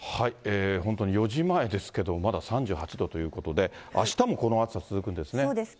本当に４時前ですけど、まだ３８度ということで、あしたもこそうです。